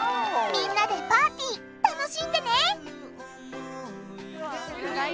みんなでパーティー楽しんでね！